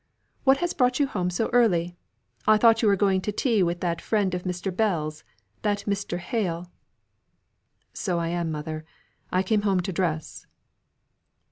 "What has brought you home so early? I thought you were going to tea with that friend of Mr. Bell's; that Mr. Hale?" "So I am, mother. I am come home to dress!"